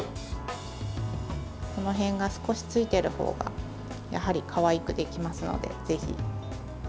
この辺が少しついているほうがやはりかわいくできますのでぜひ。